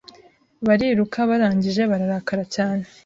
Bariruka barangije bararakara cyane